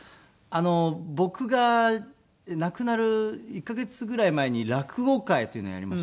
僕が亡くなる１カ月ぐらい前に落語会というのをやりまして。